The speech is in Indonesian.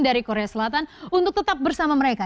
dari korea selatan untuk tetap bersama mereka